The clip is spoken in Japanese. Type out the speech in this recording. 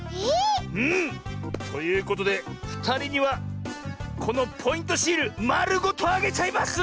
うん。ということでふたりにはこのポイントシールまるごとあげちゃいます！